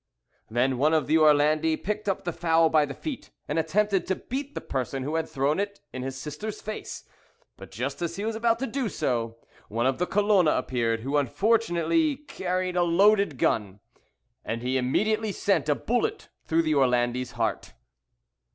"Then one of the Orlandi picked up the fowl by the feet, and attempted to beat the person who had thrown it in his sister's face; but just as he was about to do so, one of the Colona appeared, who, unfortunately, carried a loaded gun, and he immediately sent a bullet through the Orlandi's heart."